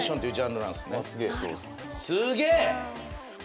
すげえ！